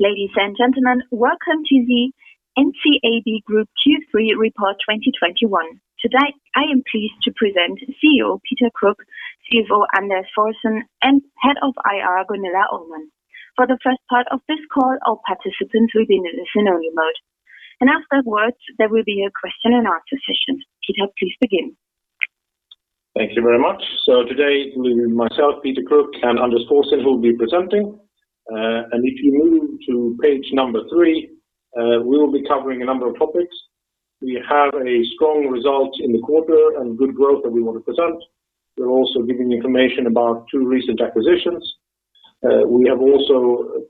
Ladies and gentlemen, welcome to the NCAB Group Q3 Report 2021. Today, I am pleased to present CEO Peter Kruk, CFO Anders Forsén, and Head of IR Gunilla Öhman. For the first part of this call, all participants will be in a listen-only mode. Afterwards, there will be a question and answer session. Peter, please begin. Thank you very much. Today, myself, Peter Kruk, and Anders Forsén will be presenting. If you move to page three, we will be covering a number of topics. We have a strong result in the quarter and good growth that we want to present. We're also giving information about two recent acquisitions. We have also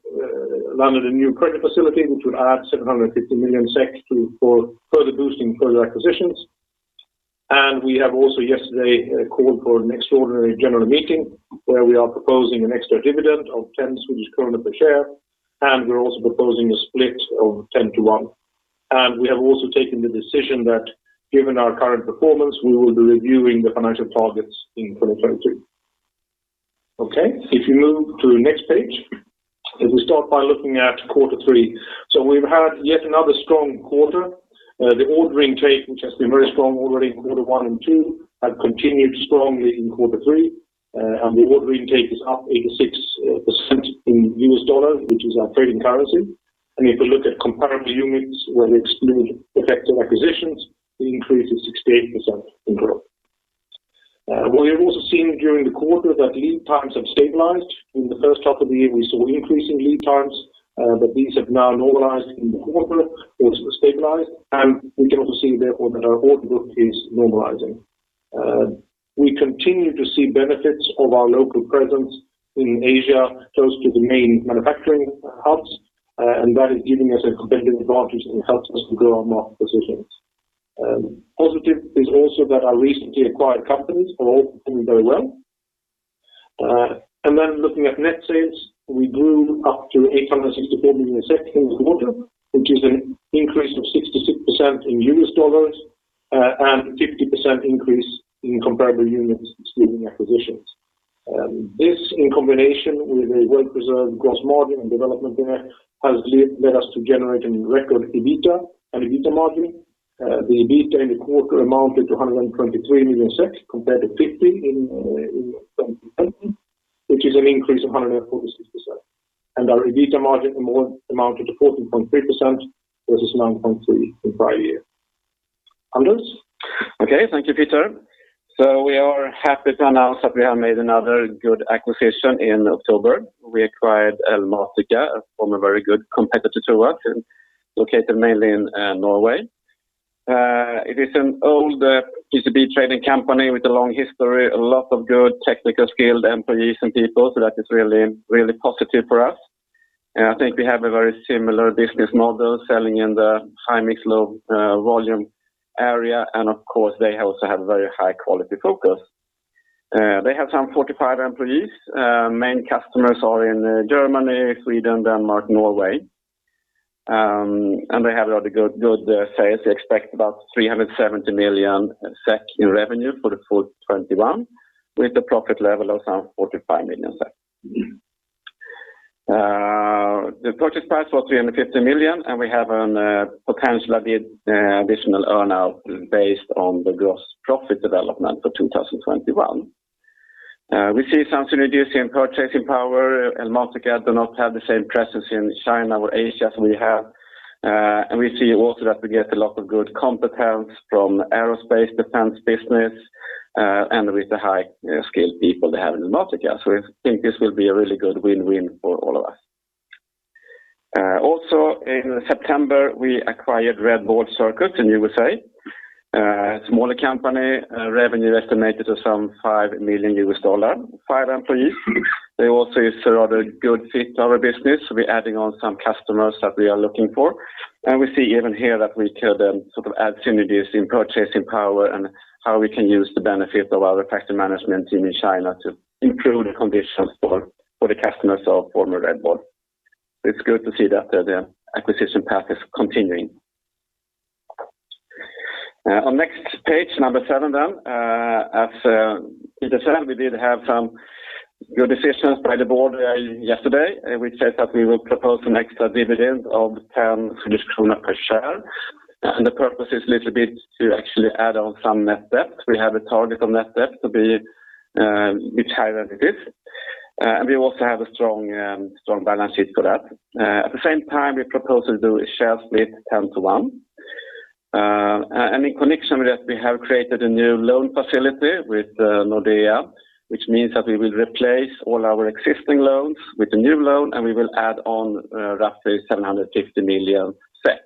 landed a new credit facility which will add 750 million SEK for further boosting acquisitions. We have also yesterday called for an extraordinary general meeting where we are proposing an extra dividend of 10 Swedish kronor per share, and we're also proposing a split of 10 to one. We have also taken the decision that given our current performance, we will be reviewing the financial targets in 2022. Okay. If you move to the next page, if we start by looking at quarter three. We've had yet another strong quarter. The order intake, which has been very strong already in quarter one and two, have continued strongly in quarter three. The order intake is up 86% in U.S. dollar, which is our trading currency. If you look at comparable units where we exclude the effect of acquisitions, the increase is 68% in growth. We have also seen during the quarter that lead times have stabilized. In the first half of the year, we saw increasing lead times, but these have now normalized in the quarter, also stabilized. We can also see therefore that our order book is normalizing. We continue to see benefits of our local presence in Asia, close to the main manufacturing hubs, and that is giving us a competitive advantage and helps us to grow our market positions. Positive is also that our recently acquired companies are all performing very well. Looking at net sales, we grew to 864 million in the quarter, which is an increase of 66% in US dollars, and 50% increase in comparable units excluding acquisitions. This in combination with a well-preserved gross margin and development there has led us to generate a new record EBITA and EBITA margin. The EBITA in the quarter amounted to 123 million compared to 50 million in 2020, which is an increase of 146%. Our EBITA margin amounted to 14.3% versus 9.3% in prior year. Anders. Okay. Thank you, Peter. We are happy to announce that we have made another good acquisition in October. We acquired Elmatica, a former very good competitor to us and located mainly in Norway. It is an old PCB trading company with a long history, a lot of good technical skilled employees and people, so that is really, really positive for us. I think we have a very similar business model selling in the high-mix, low-volume area. Of course, they also have very high quality focus. They have some 45 employees. Main customers are in Germany, Sweden, Denmark, Norway. They have rather good sales. They expect about 370 million SEK in revenue for the full 2021, with the profit level of some 45 million SEK. The purchase price was 350 million, and we have a potential additional earnout based on the gross profit development for 2021. We see some synergies in purchasing power. Elmatica do not have the same presence in China or Asia as we have. We see also that we get a lot of good competence from aerospace defense business, and with the highly skilled people they have in Elmatica. We think this will be a really good win-win for all of us. Also in September, we acquired RedBoard Circuits in the U.S. Smaller company, revenue estimated to some $5 million, five employees. They also is a rather good fit to our business. We're adding on some customers that we are looking for. We see even here that we can then sort of add synergies in purchasing power and how we can use the benefit of our factory management team in China to improve the conditions for the customers of former RedBoard. It's good to see that the acquisition path is continuing. On the next page seven, as Peter said, we did have some good decisions by the board yesterday, which says that we will propose an extra dividend of 10 Swedish kronor per share. The purpose is a little bit to actually add on some net debt. We have a target on net debt to be much higher than it is. We also have a strong balance sheet for that. At the same time, we propose to do a 10-to-one share split. In connection with that, we have created a new loan facility with Nordea, which means that we will replace all our existing loans with the new loan, and we will add on roughly 750 million SEK.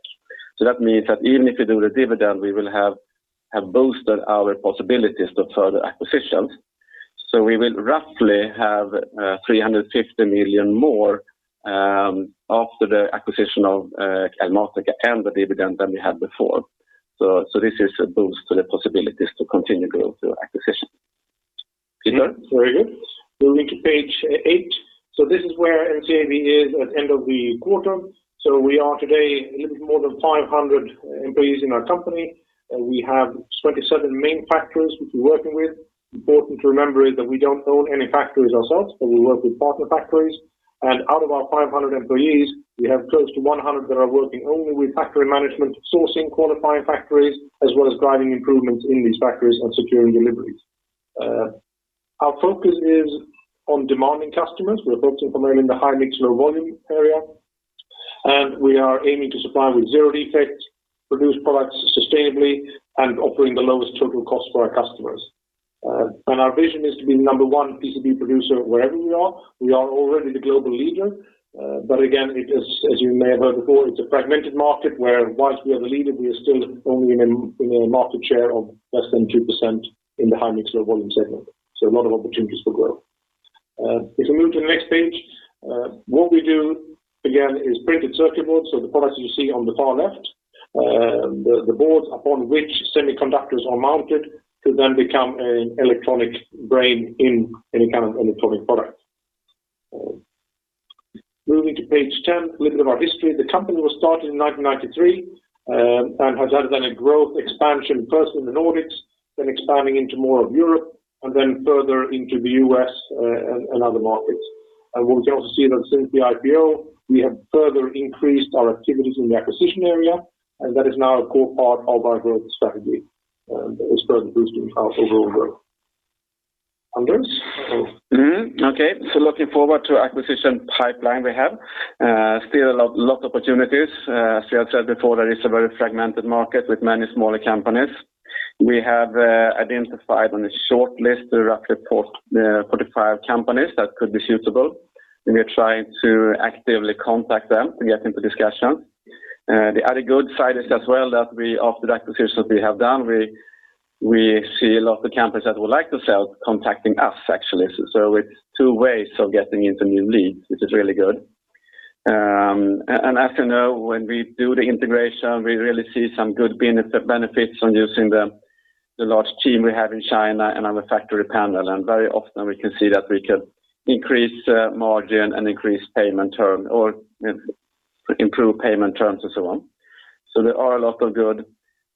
That means that even if we do the dividend, we will have boosted our possibilities for further acquisitions. We will roughly have 350 million more after the acquisition of Elmatica and the dividend than we had before. This is a boost to the possibilities to continue growth through acquisition. Peter. Very good. Moving to page eight. This is where NCAB is at end of the quarter. We are today a little bit more than 500 employees in our company. We have 27 main factories which we're working with. Important to remember is that we don't own any factories ourselves, but we work with partner factories. Out of our 500 employees, we have close to 100 that are working only with factory management, sourcing, qualifying factories, as well as driving improvements in these factories and securing deliveries. Our focus is on demanding customers. We are focusing primarily in the high-mix, low-volume area, and we are aiming to supply with zero defects, produce products sustainably, and offering the lowest total cost for our customers. Our vision is to be number one PCB producer wherever we are. We are already the global leader, but again, it is, as you may have heard before, it's a fragmented market where while we are the leader, we are still only in a market share of less than 2% in the high-mix, low-volume segment. A lot of opportunities for growth. If we move to the next page, what we do again is printed circuit boards. The products you see on the far left, the boards upon which semiconductors are mounted to then become an electronic brain in any kind of electronic product. Moving to page 10, a little bit of our history. The company was started in 1993, has had then a growth expansion first in the Nordics, then expanding into more of Europe and then further into the U.S., and other markets. We can also see that since the IPO, we have further increased our activities in the acquisition area, and that is now a core part of our growth strategy, that is further boosting our overall growth. Anders? Looking forward to the acquisition pipeline we have, still a lot of opportunities. As we have said before, that is a very fragmented market with many smaller companies. We have identified on a short list roughly 45 companies that could be suitable, and we are trying to actively contact them to get into discussion. The other good side is as well that, after the acquisitions that we have done, we see a lot of the companies that would like to sell contacting us actually. It's two ways of getting into new leads, which is really good. As you know, when we do the integration, we really see some good benefits from using the large team we have in China and on the factory panel. Very often we can see that we can increase margin and increase payment term or, you know, improve payment terms and so on. There are a lot of good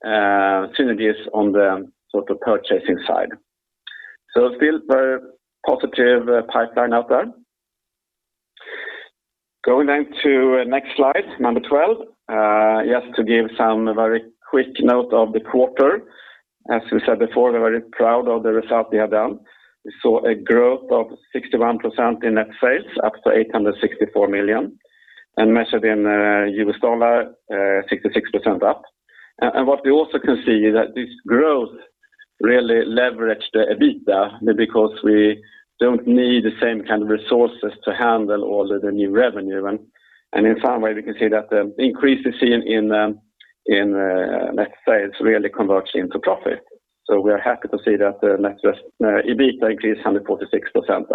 synergies on the sort of purchasing side. Still very positive pipeline out there. Going then to next slide, number 12. Just to give some very quick note of the quarter. As we said before, we're very proud of the result we have done. We saw a growth of 61% in net sales up to 864 million, and measured in U.S. dollar, 66% up. What we also can see is that this growth really leveraged the EBITA because we don't need the same kind of resources to handle all the new revenue. In some way, we can see that the increase is seen in net sales really converts into profit. We are happy to see that the EBITA increased 146%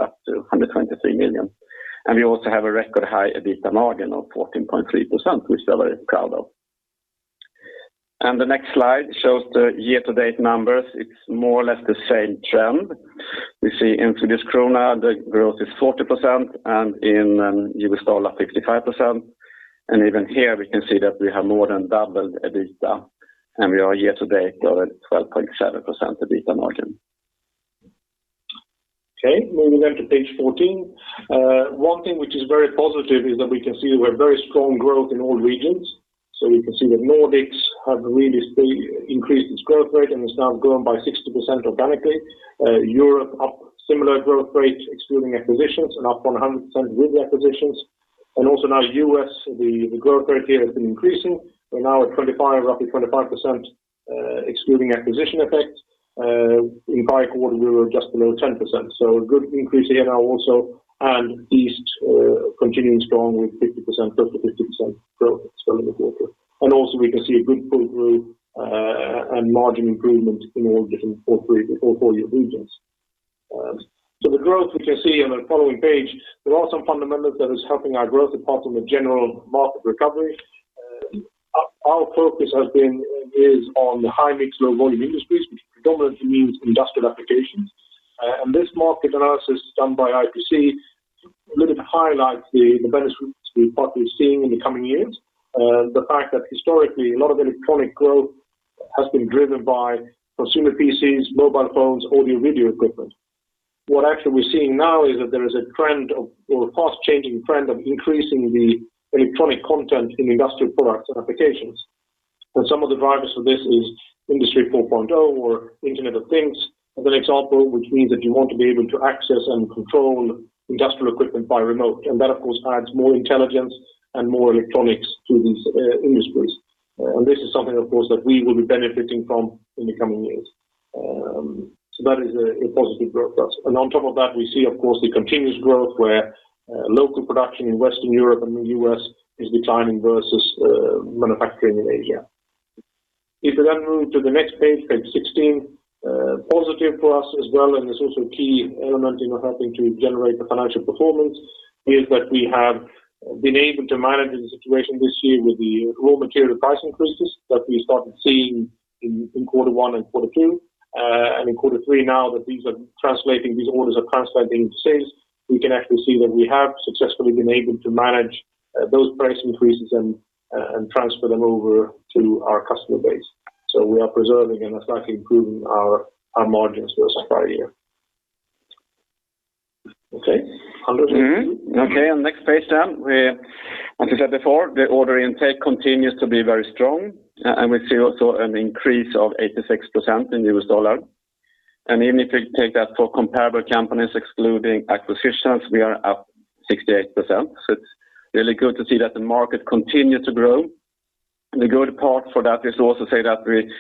up to SEK 123 million. We also have a record high EBITA margin of 14.3%, which we are very proud of. The next slide shows the year-to-date numbers. It's more or less the same trend. We see in the Swedish krona, the growth is 40%, and in US dollar, 55%. Even here we can see that we have more than doubled EBITA, and we are year-to-date growing 12.7% EBITA margin. Okay, moving then to page 14. One thing which is very positive is that we can see we have very strong growth in all regions. We can see that Nordics have really increased its growth rate and has now grown by 60% organically. Europe up similar growth rate excluding acquisitions and up 100% with acquisitions. Also now U.S., the growth rate here has been increasing. We're now at 25, roughly 25%, excluding acquisition effect. In prior quarter we were just below 10%. A good increase here now also, and East continuing strong with 50%, close to 50% growth still in the quarter. Also we can see a good full group and margin improvement in all four regions. The growth which you see on the following page, there are some fundamentals that is helping our growth apart from the general market recovery. Our focus is on the high-mix, low-volume industries, which predominantly means industrial applications. The market analysis done by IPC a little bit highlights the benefits we probably seeing in the coming years. The fact that historically a lot of electronic growth has been driven by consumer PCs, mobile phones, audio video equipment. What actually we're seeing now is that there is a trend of, or a fast-changing trend of increasing the electronic content in industrial products and applications. Some of the drivers for this is Industry 4.0 or Internet of Things as an example, which means that you want to be able to access and control industrial equipment remotely. That of course adds more intelligence and more electronics to these industries. This is something of course that we will be benefiting from in the coming years. That is a positive growth for us. On top of that, we see of course the continuous growth where local production in Western Europe and the U.S. is declining versus manufacturing in Asia. If we then move to the next page 16, positive for us as well, and it's also a key element in helping to generate the financial performance, is that we have been able to manage the situation this year with the raw material price increases that we started seeing in quarter one and quarter two. In quarter three now that these orders are translating to sales, we can actually see that we have successfully been able to manage those price increases and transfer them over to our customer base. We are preserving and in fact improving our margins for this entire year. Okay, 100. Okay, next page then. We, as I said before, the order intake continues to be very strong, and we see also an increase of 86% in US dollar. Even if we take that for comparable companies excluding acquisitions, we are up 68%. It's really good to see that the market continue to grow. The good part for that is to also say that we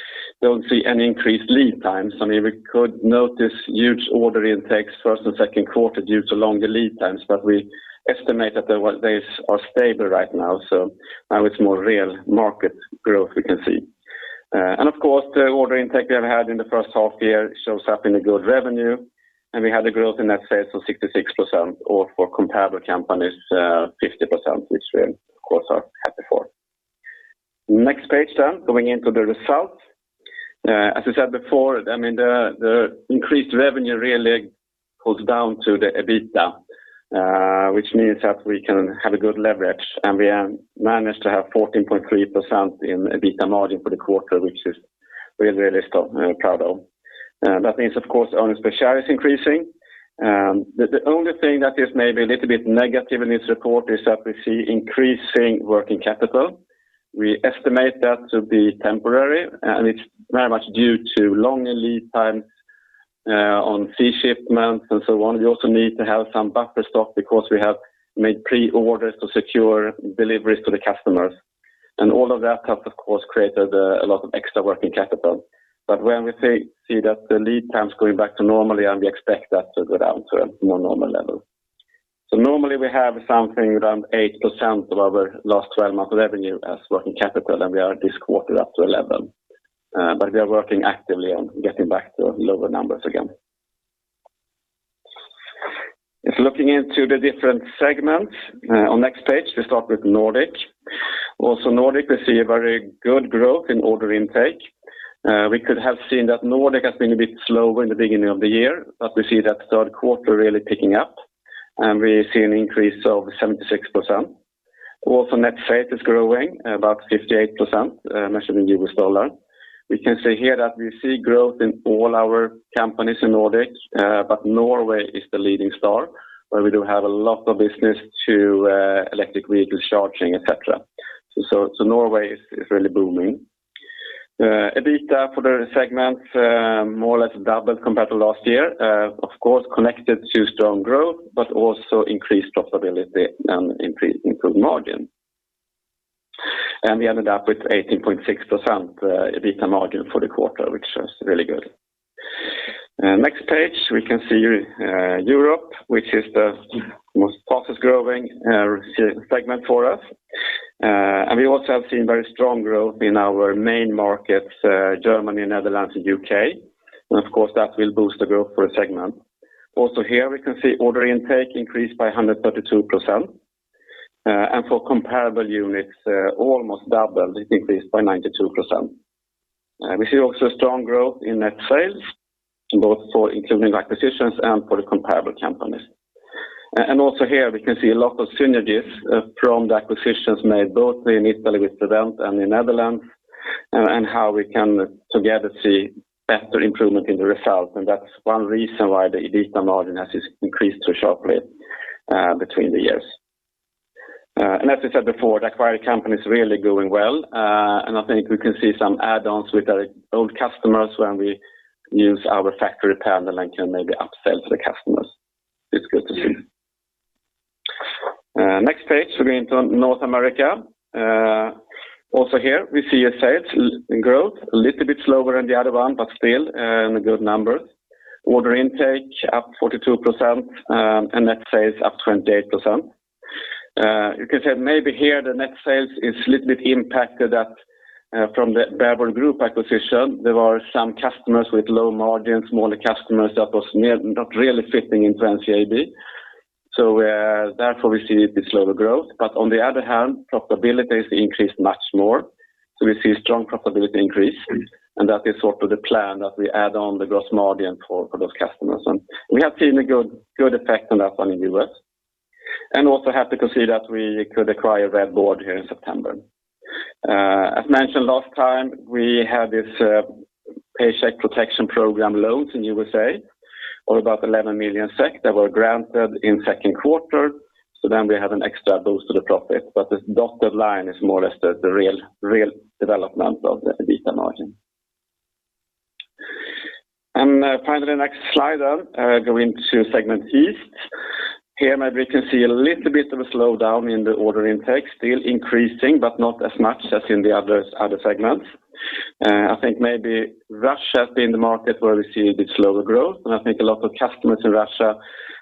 don't see any increased lead times. I mean, we could note this huge order intakes first and second quarter due to longer lead times, but we estimate that those are stable right now. Now it's more real market growth we can see. Of course, the order intake we have had in the first half year shows up in the good revenue, and we had a growth in net sales of 66% or for comparable companies, 50%, which we of course are happy for. Next page, going into the result. As I said before, I mean, the increased revenue really goes down to the EBITA, which means that we can have a good leverage, and we have managed to have 14.3% in EBITA margin for the quarter, which we're really so proud of. That means, of course, earnings per share is increasing. The only thing that is maybe a little bit negative in this report is that we see increasing working capital. We estimate that to be temporary, and it's very much due to longer lead times on sea shipments and so on. We also need to have some buffer stock because we have made pre-orders to secure deliveries to the customers. All of that has, of course, created a lot of extra working capital. When we see that the lead time's going back to normal, and we expect that to go down to a more normal level. Normally, we have something around 8% of our last 12-month revenue as working capital, and we are this quarter up to 11%. We are working actively on getting back to lower numbers again. If looking into the different segments, on next page, we start with Nordic. Nordic, we see a very good growth in order intake. We could have seen that Nordic has been a bit slower in the beginning of the year, but we see that third quarter really picking up, and we see an increase of 76%. Also, net sales is growing about 58%, measured in U.S. dollar. We can see here that we see growth in all our companies in Nordic, but Norway is the leading star, where we do have a lot of business to electric vehicle charging, et cetera. So Norway is really booming. EBITA for the segment more or less doubled compared to last year, of course, connected to strong growth but also increased profitability and increased improved margin. We ended up with 18.6%, EBITA margin for the quarter, which was really good. Next page, we can see Europe, which is the most fastest growing segment for us. We also have seen very strong growth in our main markets, Germany, Netherlands, and U.K. Of course, that will boost the growth for the segment. Also here, we can see order intake increased by 132%. For comparable units, almost doubled, increased by 92%. We see also strong growth in net sales, both for including acquisitions and for the comparable companies. Also here, we can see a lot of synergies from the acquisitions made both in Italy with PreventPCB and in Netherlands and how we can together see better improvement in the results. That's one reason why the EBITA margin has increased so sharply between the years. As I said before, the acquired company is really doing well. I think we can see some add-ons with our old customers when we use our factory panel and can maybe upsell to the customers. It's good to see. Next page, going to North America. Also here, we see a sales growth a little bit slower than the other one, but still, in good numbers. Order intake up 42%, and net sales up 28%. You can say maybe here the net sales is little bit impacted from the Weber Group acquisition. There are some customers with low margins, smaller customers that was not really fitting in Trans-CAB. We therefore see this slower growth. On the other hand, profitability is increased much more. We see strong profitability increase, and that is sort of the plan that we add on the gross margin for those customers. We have seen a good effect on that one in U.S. Also happy to see that we could acquire RedBoard here in September. As mentioned last time, we had this Paycheck Protection Program loans in U.S., of about 11 million SEK that were granted in second quarter. Then we have an extra boost to the profit. This dotted line is more or less the real development of the EBITA margin. Finally, next slide, going to segment East. Here, maybe we can see a little bit of a slowdown in the order intake, still increasing, but not as much as in the other segments. I think maybe Russia has been the market where we see the slower growth, and I think a lot of customers in Russia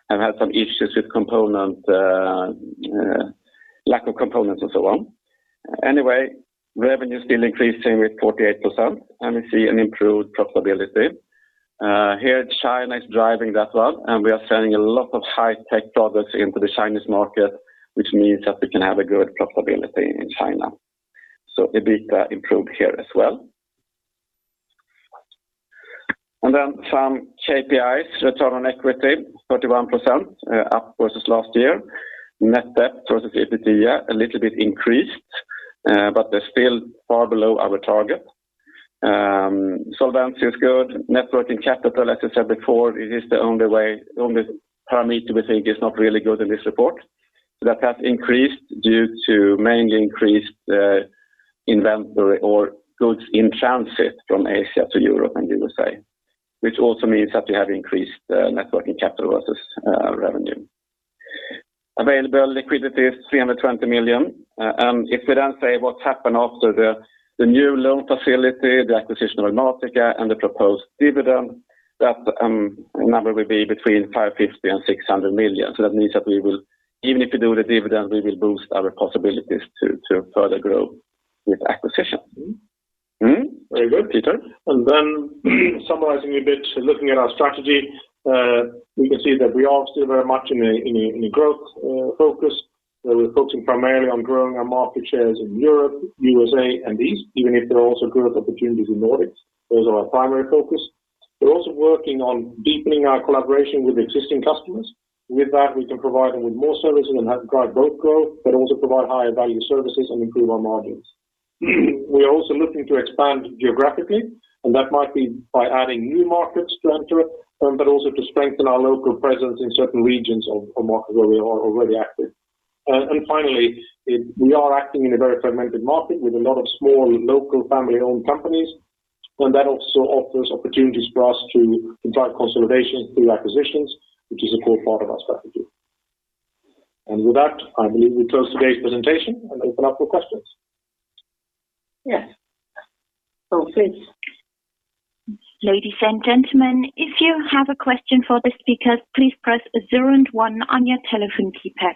have had some issues with components, lack of components and so on. Anyway, revenue is still increasing with 48%, and we see an improved profitability. Here, China is driving that well, and we are selling a lot of high tech products into the Chinese market, which means that we can have a good profitability in China. EBITA improved here as well. Some KPIs, return on equity 31%, up versus last year. Net debt versus EBITA a little bit increased, but they're still far below our target. Solvency is good. Net working capital, as I said before, it is the only parameter we think is not really good in this report. That has increased due to mainly increased inventory or goods in transit from Asia to Europe and USA, which also means that we have increased net working capital versus revenue. Available liquidity is 320 million. And if we then say what happened after the new loan facility, the acquisition of Elmatica, and the proposed dividend, that number will be between 550 million and 600 million. That means that we will even if we do the dividend, we will boost our possibilities to further grow with acquisition. Mm-hmm. Very good, Peter. Summarizing a bit, looking at our strategy, we can see that we are still very much in a growth focus. We're focusing primarily on growing our market shares in Europe, USA and East, even if there are also growth opportunities in Nordics. Those are our primary focus. We're also working on deepening our collaboration with existing customers. With that, we can provide them with more services and drive both growth, but also provide higher value services and improve our margins. We are also looking to expand geographically, and that might be by adding new markets to enter it, but also to strengthen our local presence in certain regions of market where we are already active. Finally, we are acting in a very fragmented market with a lot of small local family-owned companies, and that also offers opportunities for us to drive consolidation through acquisitions, which is a core part of our strategy. With that, I believe we close today's presentation and open up for questions. Yes. Oh, please. Ladies and gentlemen, if you have a question for the speakers, please press one on your telephone keypad.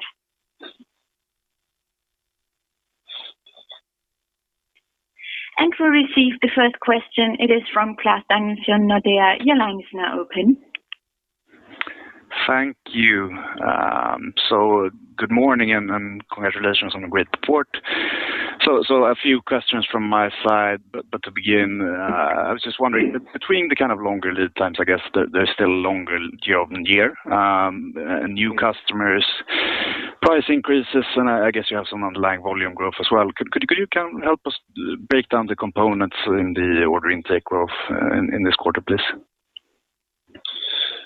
We receive the first question. It is from Klas Danielsson, Nordea. Your line is now open. Thank you. Good morning and congratulations on the great report. A few questions from my side. To begin, I was just wondering between the kind of longer lead times, I guess there's still longer year over year, and new customers price increases, and I guess you have some underlying volume growth as well. Could you help us break down the components in the order intake growth in this quarter, please?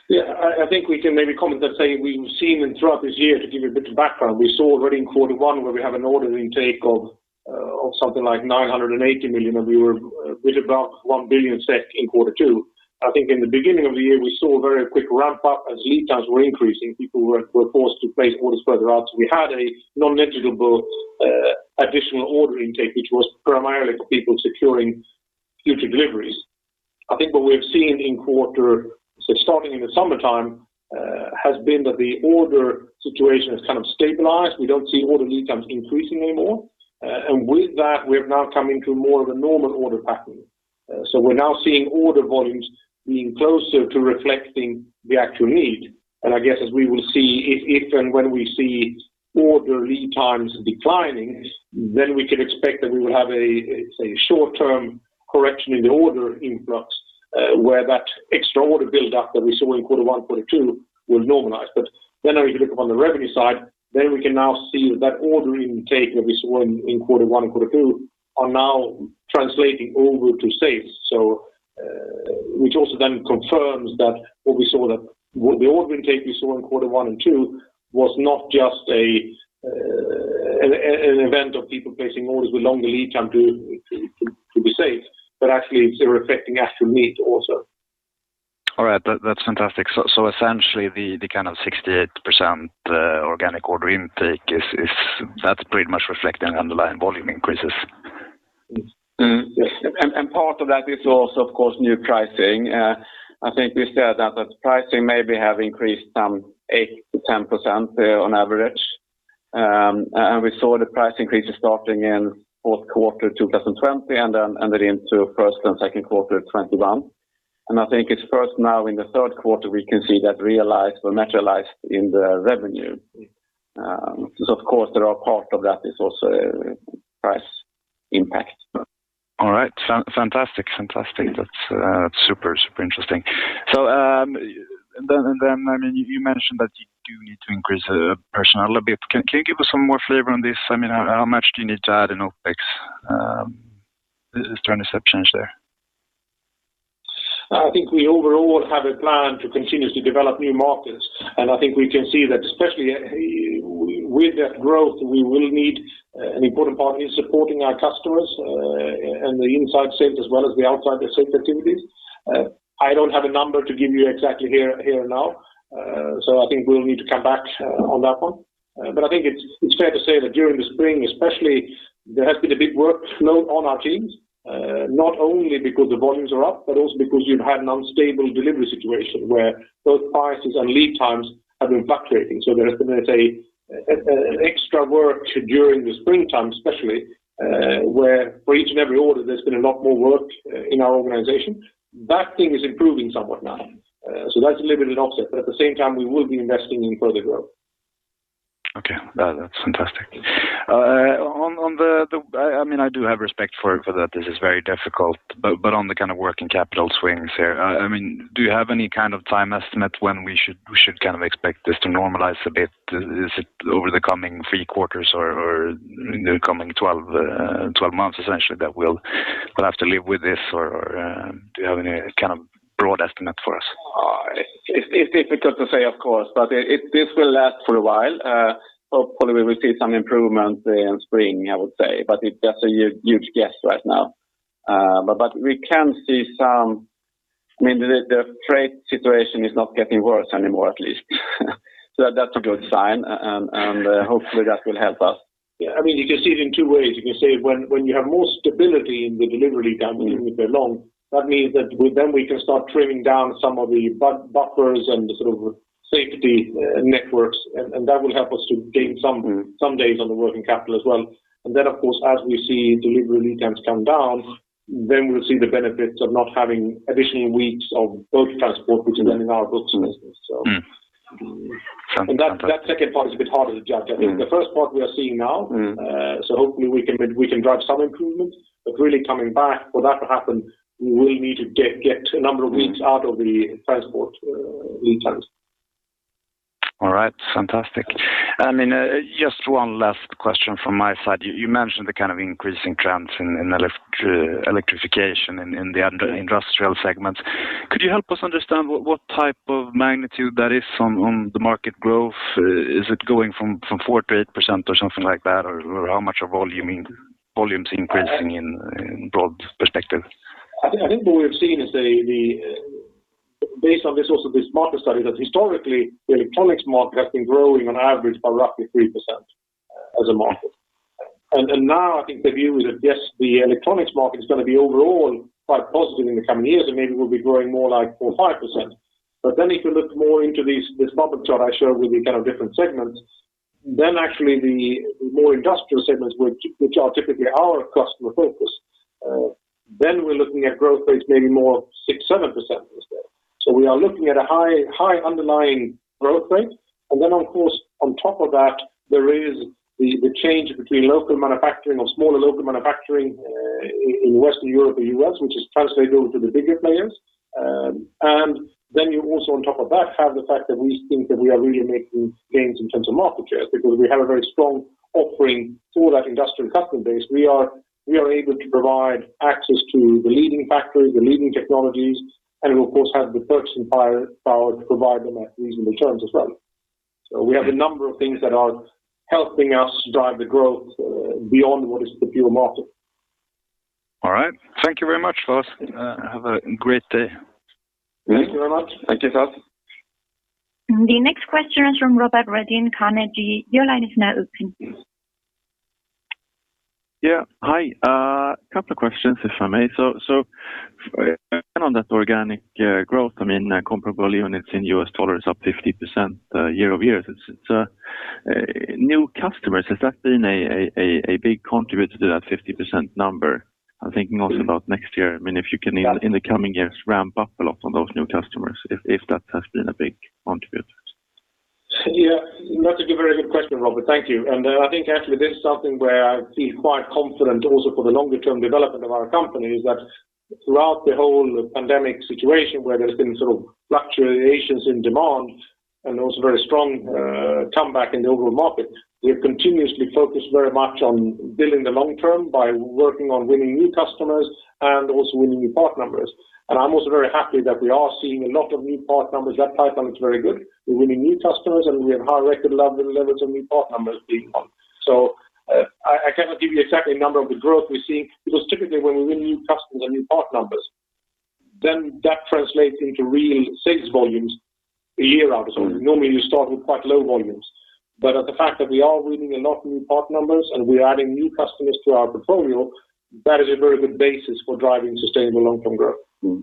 Yeah, I think we can maybe comment and say we've seen and throughout this year to give you a bit of background, we saw already in quarter one where we have an order intake of something like 980 million, and we were a bit above 1 billion SEK in quarter two. I think in the beginning of the year, we saw a very quick ramp up as lead times were increasing. People were forced to place orders further out. We had a non-negligible additional order intake, which was primarily for people securing future deliveries. I think what we have seen in quarter, so starting in the summertime, has been that the order situation has kind of stabilized. We don't see order lead times increasing anymore. With that, we have now come into more of a normal order pattern. We're now seeing order volumes being closer to reflecting the actual need. I guess as we will see if and when we see order lead times declining, then we can expect that we will have a say short-term correction in the order influx, where that extra order buildup that we saw in quarter one, quarter two will normalize. If you look upon the revenue side, then we can now see that order intake that we saw in quarter one and quarter two are now translating over to sales. Which also then confirms that what we saw that the order intake we saw in quarter one and two was not just an event of people placing orders with longer lead time to be safe, but actually they're reflecting actual need also. All right. That's fantastic. Essentially the kind of 68% organic order intake is. That's pretty much reflecting underlying volume increases. Part of that is also, of course, new pricing. I think we said that the pricing maybe have increased some 8%-10%, on average. We saw the price increases starting in fourth quarter 2020 and then into first and second quarter 2021. I think it's first now in the third quarter we can see that realized or materialized in the revenue. Of course, part of that is also price impact. All right. Fantastic. That's super interesting. I mean, you mentioned that you do need to increase personnel a bit. Can you give us some more flavor on this? I mean, how much do you need to add in OpEx? Is there an expectation there? I think we overall have a plan to continuously develop new markets, and I think we can see that especially with that growth, we will need. An important part is supporting our customers and the inside sales as well as the outside sales activities. I don't have a number to give you exactly here now. I think we'll need to come back on that one. I think it's fair to say that during the spring especially, there has been a big workload on our teams, not only because the volumes are up, but also because you've had an unstable delivery situation where both prices and lead times have been fluctuating. There has been, let's say, an extra work during the springtime especially, where for each and every order there's been a lot more work in our organization. That thing is improving somewhat now. That's a little bit an offset, but at the same time we will be investing in further growth. Okay. That's fantastic. I mean, I do have respect for that. This is very difficult. On the kind of working capital swings here, I mean, do you have any kind of time estimate when we should kind of expect this to normalize a bit? Is it over the coming three quarters or in the coming 12 months, essentially, that we'll have to live with this? Do you have any kind of broad estimate for us? It's difficult to say, of course, but this will last for a while. Hopefully we will see some improvement in spring, I would say, but it's just a huge guess right now. We can see some, I mean, the freight situation is not getting worse anymore, at least. That's a good sign, and hopefully that will help us. Yeah. I mean, you can see it in two ways. You can say when you have more stability in the delivery time, even if they're long, that means that we can start trimming down some of the buffers and the sort of safety networks, and that will help us to gain some. Mm-hmm. Some days on the working capital as well. Of course, as we see delivery lead times come down, we'll see the benefits of not having additional weeks of both transport between them in our books business, so. Mm-hmm. Sounds fantastic. That second part is a bit harder to judge. Mm-hmm. I think the first part we are seeing now. Mm-hmm. Hopefully we can drive some improvements. Really coming back, for that to happen, we will need to get a number of weeks- Mm-hmm. out of the transport lead times. All right. Fantastic. I mean, just one last question from my side. You mentioned the kind of increasing trends in electrification in the under-industrial segments. Could you help us understand what type of magnitude that is on the market growth? Is it going from 4%-8% or something like that? Or how much are volumes increasing in broad perspective? I think what we have seen is based on this also, this market study, that historically the electronics market has been growing on average by roughly 3% as a market. Now I think the view is that, yes, the electronics market is gonna be overall quite positive in the coming years, and maybe we'll be growing more like 4%-5%. Then if you look more into this bubble chart I showed with the kind of different segments, then actually the more industrial segments which are typically our customer focus, then we're looking at growth rates maybe more 6%-7% instead. We are looking at a high underlying growth rate. Of course, on top of that, there is the change between local manufacturing or smaller local manufacturing in Western Europe or U.S., which is translated over to the bigger players. You also on top of that have the fact that we think that we are really making gains in terms of market shares, because we have a very strong offering for that industrial customer base. We are able to provide access to the leading factories, the leading technologies, and of course have the purchasing power to provide them at reasonable terms as well. We have a number of things that are helping us drive the growth beyond what is the pure market. All right. Thank you very much for us. Have a great day. Thank you very much. Thank you, Klas. The next question is from Robert Redin, Carnegie. Your line is now open. Yeah. Hi. Couple of questions, if I may. On that organic growth, I mean, comparable units in $ up 50% year-over-year. New customers, has that been a big contributor to that 50% number? I'm thinking also about next year. I mean, if you can in the coming years ramp up a lot on those new customers, if that has been a big contributor. Yeah, that's a very good question, Robert. Thank you. I think actually this is something where I feel quite confident also for the longer term development of our company is that throughout the whole pandemic situation where there's been sort of fluctuations in demand and also very strong comeback in the overall market, we have continuously focused very much on building the long term by working on winning new customers and also winning new part numbers. I'm also very happy that we are seeing a lot of new part numbers. That pipeline is very good. We're winning new customers, and we have high record levels of new part numbers being won. I cannot give you exact number of the growth we're seeing, because typically, when we win new customers and new part numbers, then that translates into real sales volumes a year out or so. Mm-hmm. Normally, you start with quite low volumes. The fact that we are winning a lot of new part numbers and we are adding new customers to our portfolio, that is a very good basis for driving sustainable long-term growth. Mm-hmm.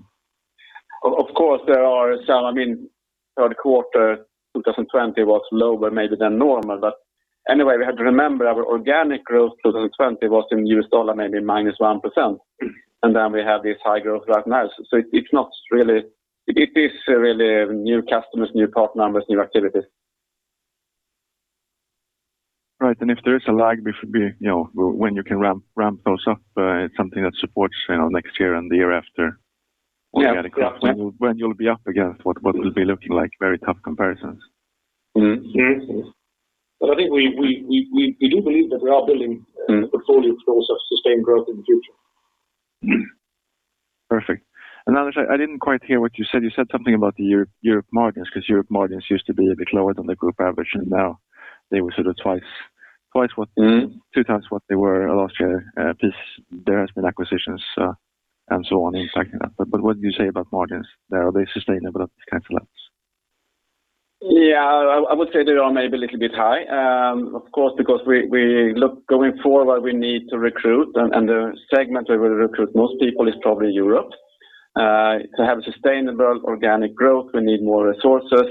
Of course, there are some, I mean, third quarter 2020 was lower maybe than normal. Anyway, we have to remember our organic growth 2020 was in U.S. dollar maybe minus 1%. Mm-hmm. We have this high growth right now. It's really new customers, new part numbers, new activities. Right. If there is a lag, we should be, you know, when you can ramp those up, it's something that supports, you know, next year and the year after. Yeah. Yeah. When you'll be up against what will be looking like very tough comparisons. I think we do believe that we are building- Mm-hmm. a portfolio to also sustain growth in the future. Perfect. Anders, I didn't quite hear what you said. You said something about the Europe margins, 'cause Europe margins used to be a bit lower than the group average, and now they were sort of twice what- Mm-hmm. two times what they were last year. There has been acquisitions, and so on impacting that. What do you say about margins? Are they sustainable at these kinds of levels? Yeah. I would say they are maybe a little bit high, of course, because we look going forward, we need to recruit, and the segment where we recruit most people is probably Europe. To have sustainable organic growth, we need more resources.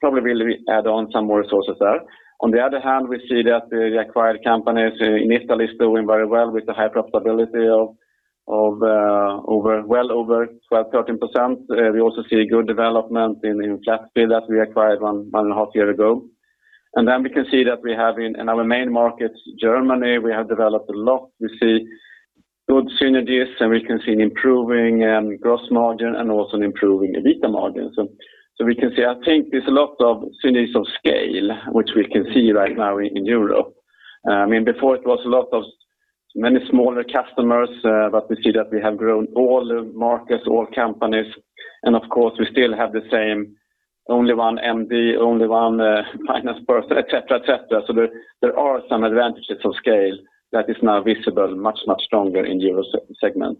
Probably we'll add on some more resources there. On the other hand, we see that the acquired companies in Italy is doing very well with the high profitability of Well over 12%-13%. We also see a good development in Flatfield that we acquired one and a half year ago. We can see that we have in our main markets, Germany, developed a lot. We see good synergies, and we can see an improving gross margin and also an improving EBITA margin. We can see, I think there's a lot of synergies of scale which we can see right now in Europe. I mean, before it was a lot of many smaller customers, but we see that we have grown all the markets, all companies, and of course, we still have the same only one MD, only one finance person, et cetera. There are some advantages of scale that is now visible much stronger in Europe segment.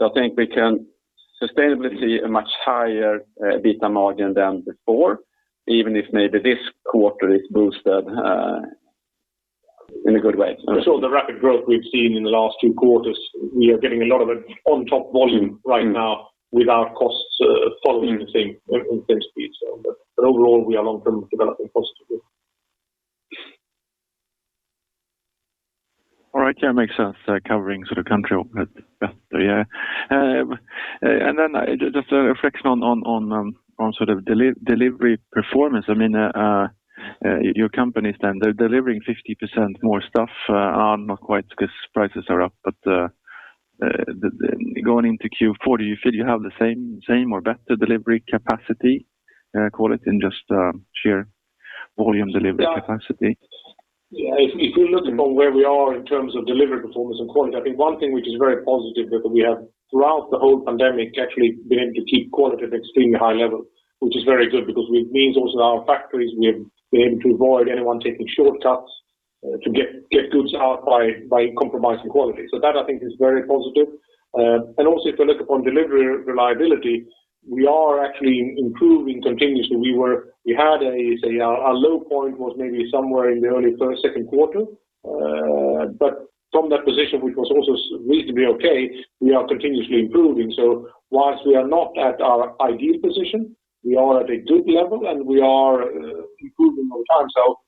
I think we can sustainably see a much higher EBITA margin than before, even if maybe this quarter is boosted in a good way. The rapid growth we've seen in the last two quarters, we are getting a lot of it on top volume right now without costs following the same speed. Overall, we are long-term developing positively. All right. Yeah, makes sense, covering sort of country I mean, yeah. And then just a reflection on sort of delivery performance. I mean, your company stand they're delivering 50% more stuff. Not quite because prices are up. But going into Q4, do you feel you have the same or better delivery capacity? Call it in just sheer volume delivery capacity. If you look at where we are in terms of delivery performance and quality, I think one thing which is very positive, that we have throughout the whole pandemic actually been able to keep quality at extremely high level, which is very good because it means also our factories, we have been able to avoid anyone taking shortcuts to get goods out by compromising quality. So that, I think is very positive. And also, if you look upon delivery reliability, we are actually improving continuously. We work. We had I say our low point was maybe somewhere in the early first second quarter, but from that position, which was also reasonably okay, we are continuously improving. So whilst we are not at our ideal position, we are at a good level and we are improving on time. So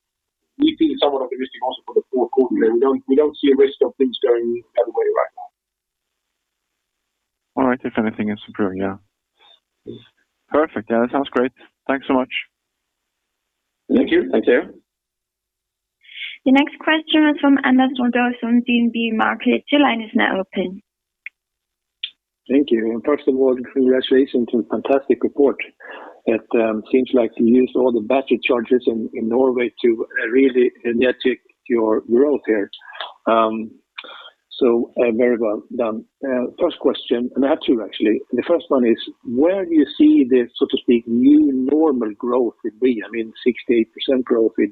EP is somewhat optimistic also for the fourth quarter and we don't see a risk of things going everywhere right now. All right if anything in superior. Perfect that sounds great. Thanks so much. Thank you. Thank you. The next question is from Anders Rudolfsson on DNB Markets. Your line is now open. Thank you. First of all, congratulations on fantastic report. It seems like you used all the battery chargers in Norway to really energetic your growth here. So very well done. First question, I have two actually. The first one is, where do you see the, so to speak, new normal growth will be? I mean, 68% growth is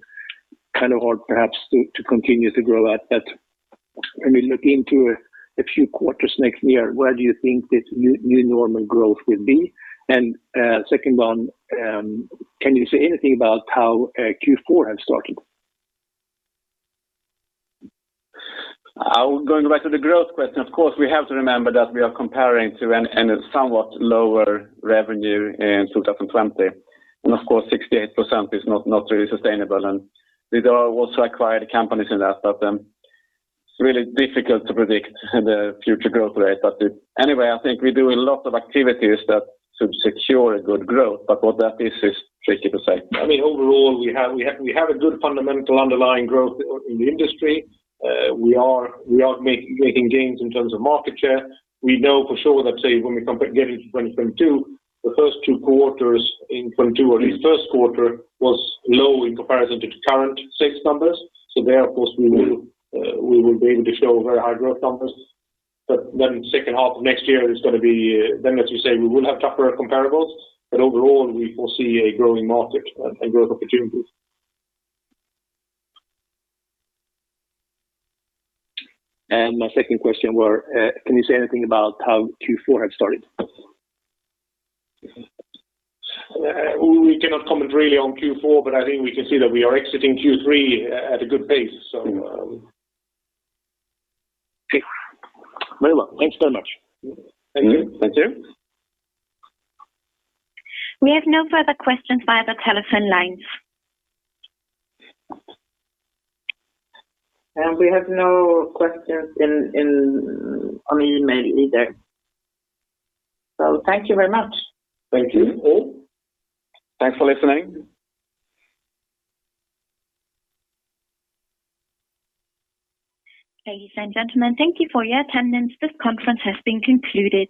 kind of hard perhaps to continue to grow at that. When we look into a few quarters next year, where do you think this new normal growth will be? Second one, can you say anything about how Q4 have started? Going back to the growth question, of course, we have to remember that we are comparing to a somewhat lower revenue in 2020. Of course, 68% is not really sustainable. We've also acquired companies in that. It's really difficult to predict the future growth rate. Anyway, I think we do a lot of activities that should secure a good growth, but what that is tricky to say. I mean, overall we have a good fundamental underlying growth in the industry. We are making gains in terms of market share. We know for sure that, say, when we come back again in 2022, the first two quarters in 2022 or at least first quarter was low in comparison to current sales numbers. There, of course, we will be able to show very high growth numbers. Second half of next year is gonna be, then as you say, we will have tougher comparables, but overall we foresee a growing market and growth opportunities. My second question were, can you say anything about how Q4 have started? We cannot comment really on Q4, but I think we can see that we are exiting Q3 at a good pace, so. Very well. Thanks so much. Thank you. Thank you. We have no further questions via the telephone lines. We have no questions in or on email either. Thank you very much. Thank you. Thanks for listening. Ladies and gentlemen, thank you for your attendance. This conference has been concluded.